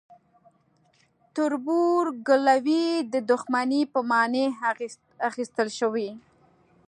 تربورګلوي د دښمنۍ په معنی اخیستل شوی.